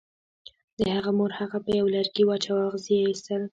د هغه مور هغه په یوه لرګي واچاو او اغزي یې ایستل